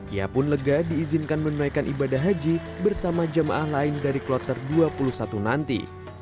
ia pun lega diizinkan menunaikan ibadah haji bersama jamaah lain dari kloter xxi nanti